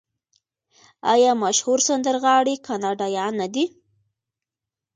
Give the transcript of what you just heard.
آیا مشهور سندرغاړي کاناډایان نه دي؟